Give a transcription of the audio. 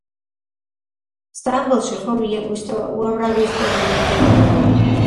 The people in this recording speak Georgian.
სტამბოლში ხომ უამრავი ისტორიული ძეგლია.